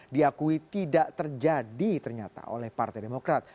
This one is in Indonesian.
diakui tidak terjadi ternyata oleh partai demokrat